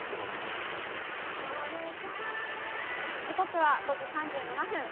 時刻は５時３７分。